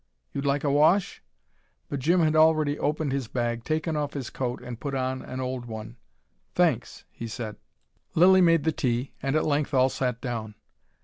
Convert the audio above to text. You'd like a wash?" But Jim had already opened his bag, taken off his coat, and put on an old one. "Thanks," he said. Lilly made the tea, and at length all sat down.